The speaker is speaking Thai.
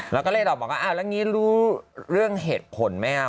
แล้วก็เลยต่อบอกว่าแล้วนี่รู้เรื่องเหตุผลไหม